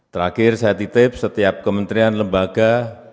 terakhir saya titip setiap kementerian lembaga